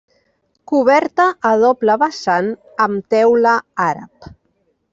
Coberta a doble vessant amb teula àrab.